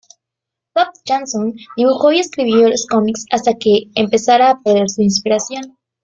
Tove Jansson dibujó y escribió los cómics hasta que empezara a perder su inspiración.